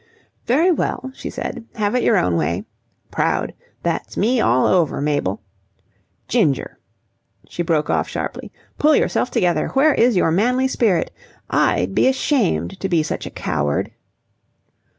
"Very well," she said. "Have it your own way. Proud. That's me all over, Mabel. Ginger!" She broke off sharply. "Pull yourself together. Where is your manly spirit? I'd be ashamed to be such a coward."